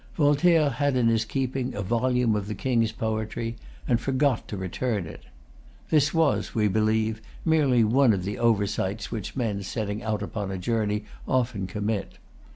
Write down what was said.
Voltaire had in his keeping a volume of the King's poetry, and forgot to return it. This was, we believe, merely one of the oversights which men setting out upon a journey often commit.